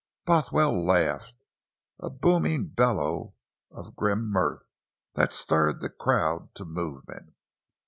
Bothwell laughed, a booming bellow of grim mirth that stirred the crowd to movement.